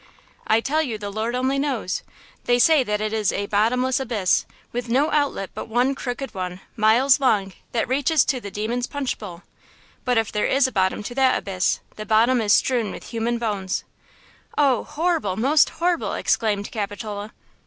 "I tell you the Lord only knows! They say that it is a bottomless abyss, with no outlet but one crooked one, miles long, that reaches to the Demon's Punch Bowl. But if there is a bottom to that abyss, that bottom is strewn with human bones!" "Oh! horrible! most horrible!" exclaimed Capitola.